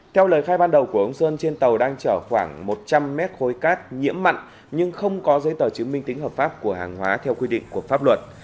theo lời khai ban đầu của ông sơn trên tàu đang chở khoảng một trăm linh mét khối cát nhiễm mặn nhưng không có giấy tờ chứng minh tính hợp pháp của hàng hóa theo quy định của pháp luật